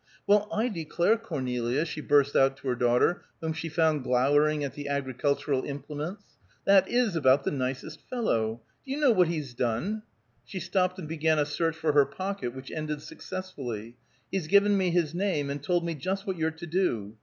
"Well, I declare, Cornelia," she burst out to her daughter, whom she found glowering at the agricultural implements, "that is about the nicest fellow! Do you know what he's done?" She stopped and began a search for her pocket, which ended successfully. "He's given me his name, and told me just what you're to do.